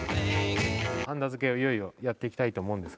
はんだ付けをいよいよやっていきたいと思うのですが。